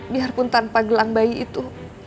biarpun tanpa gelang bayi itu